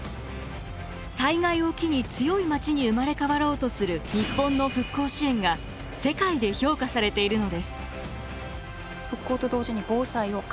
災害を機に強い街に生まれ変わろうとする日本の復興支援が世界で評価されているのです。